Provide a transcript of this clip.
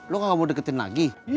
lo gak mau deketin lagi